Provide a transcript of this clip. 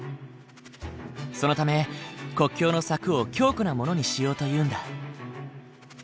そのため国境の柵を強固なものにしようというんだ。